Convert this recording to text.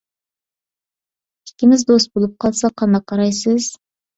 ئىككىمىز دوست بۇلۇپ قالساق قانداق قارايسىز؟